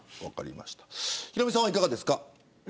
ヒロミさんは、いかがですか。